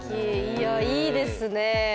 いやいいですねぇ。